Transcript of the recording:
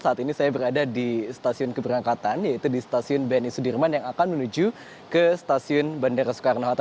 saat ini saya berada di stasiun keberangkatan yaitu di stasiun bni sudirman yang akan menuju ke stasiun bandara soekarno hatta